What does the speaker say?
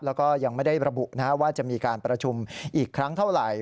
แล้วก็ยังไม่ได้ระบุว่าจะมีการประชุมอีกครั้งเท่าไหร่